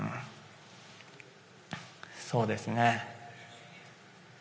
そうですね。